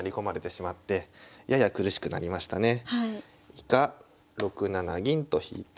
以下６七銀と引いて。